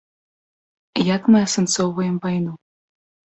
Як мы асэнсоўваем вайну?